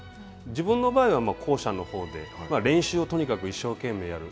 自分の場合は、後者のほうで練習をとにかく一生懸命やる。